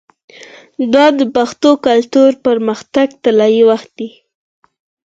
دا د پښتو کلتور د پرمختګ طلایی وخت دی.